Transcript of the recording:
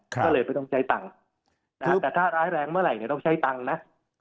ก็เลยไม่ต้องใช้ตังค์แต่ถ้าร้ายแรงเมื่อไหร่เนี่ยต้องใช้ตังค์นะ